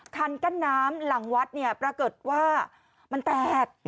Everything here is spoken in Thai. คันกั้นน้ำหลังวัดเนี่ยปรากฏว่ามันแตก